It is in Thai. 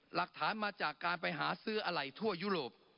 หลักฐานมาจากการไปหาซื้ออะไหล่ทั่วยุโรป